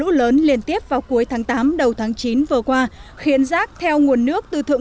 mưa lũ lớn liên tiếp vào cuối tháng tám đầu tháng chín vừa qua khiến rác theo nguồn nước từ thượng